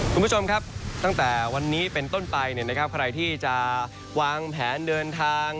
คุณผู้ชมครับตั้งแต่วันนี้เป็นต้นไปเนี่ยนะครับใครที่จะวางแผนเดินทาง